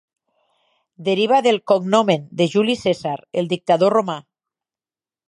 Deriva del "cognomen" de Juli Cèsar, el dictador romà.